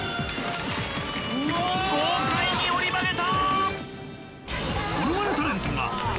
豪快に折り曲げた！